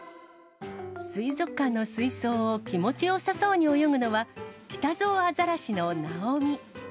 水族館の水槽を気持ちよさそうに泳ぐのは、キタゾウアザラシのなおみ。